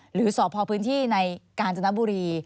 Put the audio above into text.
หรือสอบพอพื้นที่ในการจนบุรี